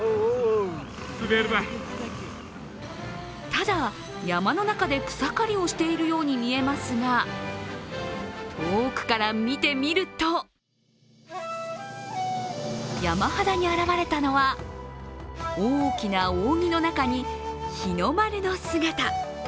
ただ山の中で草刈りをしているように見えますが、遠くから見てみると山肌に現れたのは大きな扇の中に日の丸の姿。